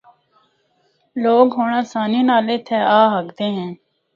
لوگ ہونڑ آسانی نال اِتھا آ ہکدے ہن۔